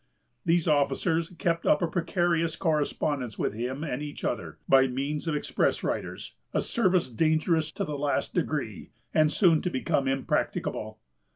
These officers kept up a precarious correspondence with him and each other, by means of express riders, a service dangerous to the last degree and soon to become impracticable.